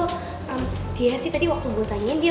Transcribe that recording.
eh biasanya tadi waktu gue tanyain dia